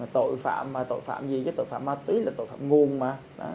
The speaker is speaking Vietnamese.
tội phạm mà tội phạm gì chứ tội phạm ma túy là tội phạm nguồn mà